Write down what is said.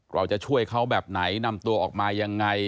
เราจะช่วยเขาแบบไหนนำตัวออกมายังไง